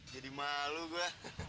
jadi malu gue